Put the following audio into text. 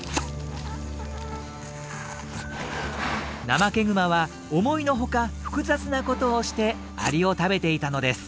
ナマケグマは思いのほか複雑なことをしてアリを食べていたのです。